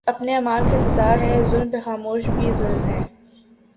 اپنے اعمال کی سزا ہے ظلم پہ خاموشی بھی ظلم ہے